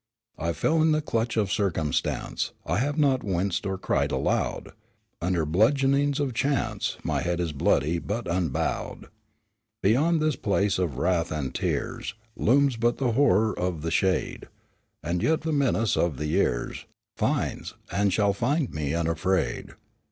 "In the fell clutch of circumstance, I have not winced nor cried aloud. Under the bludgeonings of chance, My head is bloody, but unbowed. "Beyond this place of wrath and tears Looms but the horror of the shade, And yet the menace of the years Finds, and shall find me unafraid.